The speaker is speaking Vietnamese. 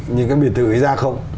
những cái biệt thự ấy ra không